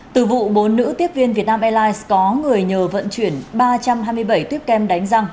từ vụ bốn nữ tiếp viên việt nam airlines có người nhờ vận chuyển ba trăm hai mươi bảy tuyếp kem đánh răng